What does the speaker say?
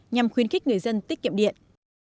nhằm khuyến khích người dân tiết kiệm điện